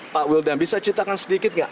pak wildan bisa ceritakan sedikit nggak